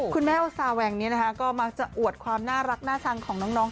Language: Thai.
คุณแม่โอซาแวงนี้นะคะก็มักจะอวดความน่ารักน่าชังของน้อง